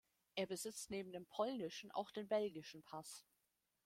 Er besitzt neben dem polnischen auch den belgischen Pass.